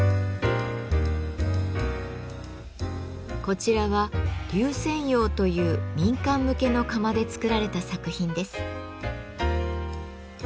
こちらは「龍泉窯」という民間向けの窯で作られた作品です。